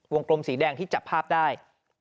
กลมสีแดงที่จับภาพได้